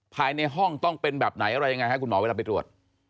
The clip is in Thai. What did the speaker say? ภายในห้องต้องเป็นแบบไหนอะไรยังไงครับคุณหมอเวลาไปตรวจ